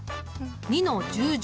２の１０乗